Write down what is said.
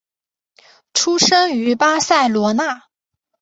出生于巴塞罗那。